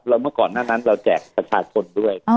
แล้วเมื่อก่อนหน้านั้นเราแจกประชาชนด้วย